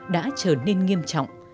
đã trở nên nghiêm trọng